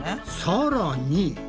さらに。